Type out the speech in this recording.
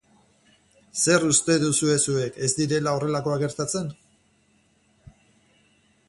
Zer uste duzue zuek, ez direla horrelakoak gertatzen?